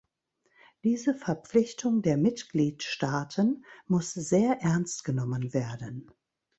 Diese Verpflichtung der Mitgliedstaaten muss sehr ernst genommen werden.